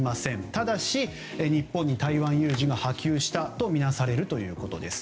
ただし、日本に台湾有事が波及したとみなされるということです。